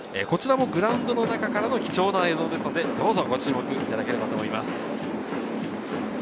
グラウンドの中からの貴重な映像ですので、ご注目いただければと思います。